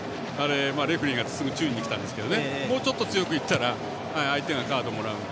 レフェリーがすぐ注意に来たんですけどもうちょっと強くいったら相手がカードもらうので。